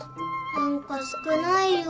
何か少ないよ？